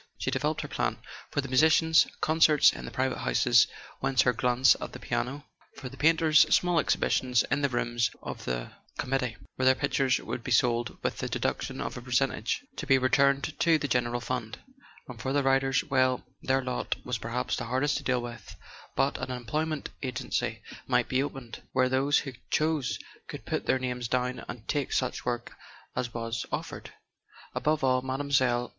She developed her plan: for the musicians, concerts in private houses (hence her glance at the piano); for the painters, small exhibitions in the rooms of the com¬ mittee, where their pictures would be sold with the deduction of a percentage, to be returned to the gen¬ eral fund; and for the writers—well, their lot was per¬ haps the hardest to deal with; but an employment agency might be opened, where those who chose could put their names down and take such work as was of¬ fered. Above all, Mile.